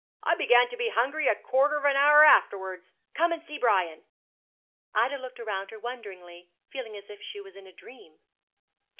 'I began to be hungry a quarter of an hour afterwards. Come and see Brian.' Ida looked round her wonderingly, feeling as if she was in a dream. Dr.